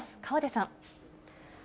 河出さん。